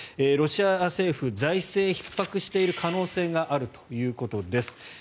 ロシア政府、財政ひっ迫している可能性があるということです。